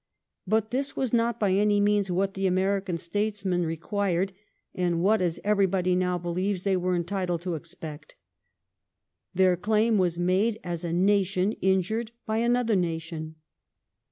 But this was not by any means what the American statesmen re quired, and what, as everybody now believes, they were entitled to expect. Their claim was made as a nation injured by another nation.